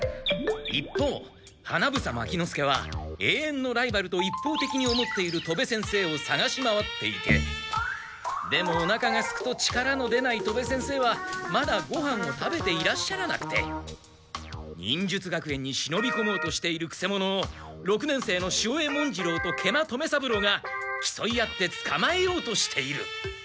一方花房牧之介はえいえんのライバルと一方てきに思っている戸部先生をさがし回っていてでもおなかがすくと力の出ない戸部先生はまだごはんを食べていらっしゃらなくて忍術学園にしのびこもうとしているくせ者を六年生の潮江文次郎と食満留三郎がきそい合ってつかまえようとしている。